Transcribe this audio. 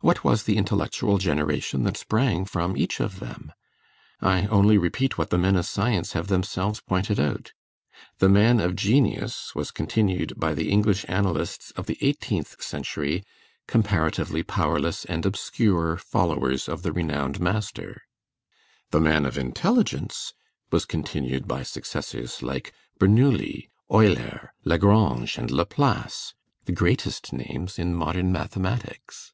What was the intellectual generation that sprang from each of them? I only repeat what the men of science have themselves pointed out. The man of genius was continued by the English analysts of the eighteenth century, comparatively powerless and obscure followers of the renowned master. The man of intelligence was continued by successors like Bernoulli, Euler, Lagrange, and Laplace, the greatest names in modern mathematics.